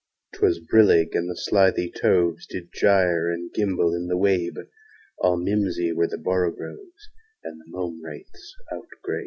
'Twas brillig, and the slithy toves Did gyre and gimble in the wabe: All mimsy were the borogoves, And the mome raths outgrab